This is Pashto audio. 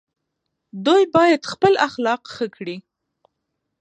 دوی باید خپل اخلاق ښه کړي.